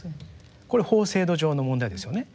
これ法制度上の問題ですよね。